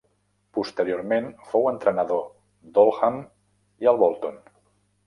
Posteriorment fou entrenador a l'Oldham i al Bolton.